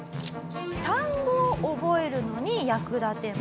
単語を覚えるのに役立てます。